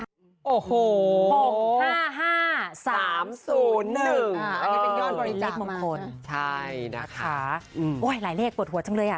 อันนี้เป็นยอดบริจาคมงคลใช่นะคะโอ้ยหลายเลขปวดหัวจังเลยอ่ะ